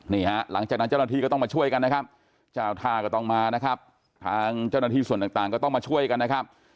นี่ฮะหลังจากนั้นเจ้าหน้าที่ก็ต้องมาช่วยกันนะครับ